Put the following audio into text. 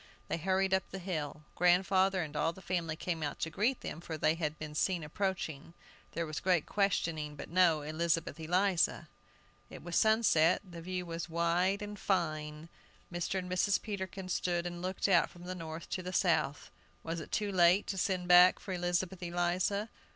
They hurried up the hill. Grandfather and all the family came out to greet them, for they had been seen approaching. There was great questioning, but no Elizabeth Eliza! It was sunset; the view was wide and fine. Mr. and Mrs. Peterkin stood and looked out from the north to the south. Was it too late to send back for Elizabeth Eliza?